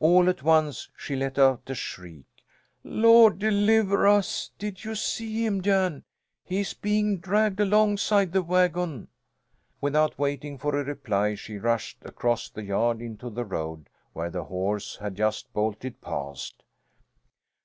All at once she let out a shriek: "Lord deliver us! Did you see him, Jan? He's being dragged alongside the wagon!" Without waiting for a reply she rushed across the yard into the road, where the horse had just bolted past.